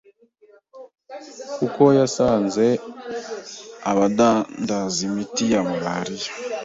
kuko yasanze abadandaza imiti ya malaria